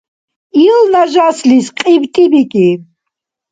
Ил нажаслис КьибтӀи бикӀи.